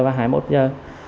và hai mươi một giờ